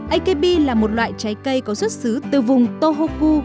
akb là một loại trái cây có xuất xứ từ vùng tohoku